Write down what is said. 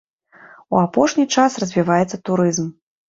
У апошні час развіваецца турызм.